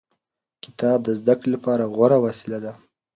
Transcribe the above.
کتاب د زده کړې لپاره غوره وسیله ده.